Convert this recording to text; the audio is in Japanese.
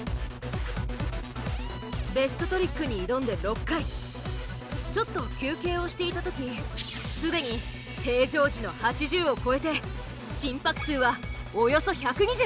ベストトリックに挑んで６回ちょっと休憩をしていた時既に平常時の８０を超えて心拍数はおよそ１２０。